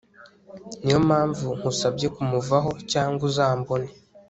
niyo mpamvu nkusabye kumuvaho cyangwa uzambone